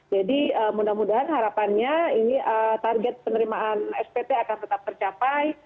jadi mudah mudahan harapannya ini target penerimaan spt akan tetap tercapai